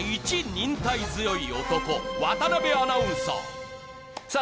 忍耐強い男渡部アナウンサーさあ